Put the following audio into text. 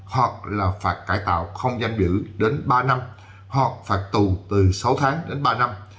hoặc là phạt cải tạo không giam giữ đến ba năm hoặc phạt tù từ sáu tháng đến ba năm